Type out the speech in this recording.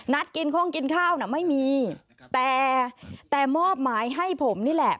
กินโค้งกินข้าวน่ะไม่มีแต่มอบหมายให้ผมนี่แหละ